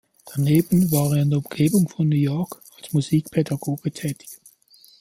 Daneben war er in der Umgebung von New York als Musikpädagoge tätig.